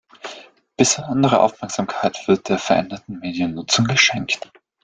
Besondere Aufmerksamkeit wird der veränderten Mediennutzung geschenkt.